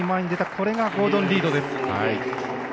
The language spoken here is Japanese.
これがゴードン・リードです。